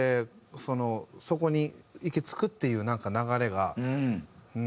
そこに行き着くっていう流れがなんか。